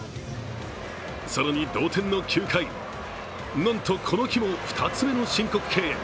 更に同点の９回、なんとこの日も２つ目の申告敬遠。